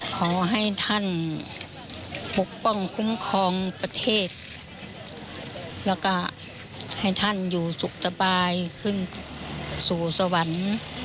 ขอให้ท่านปกป้องคุ้มครองประเทศแล้วก็ให้ท่านอยู่สุขสบายขึ้นสู่สวรรค์